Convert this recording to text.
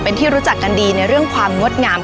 คุณผู้ชมอยู่กับดิฉันใบตองราชนุกูลที่จังหวัดสงคลาค่ะ